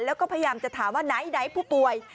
แล้วก็พยายามจะถามว่าไหนผู้ป่วย